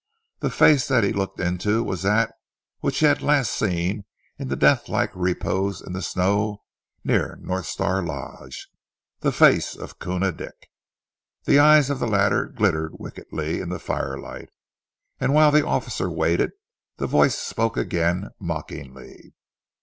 The face that he looked into was that which he had last seen in death like repose in the snow near North Star Lodge the face of Koona Dick. The eyes of the latter glittered wickedly in the firelight, and whilst the officer waited the voice spoke again, mockingly.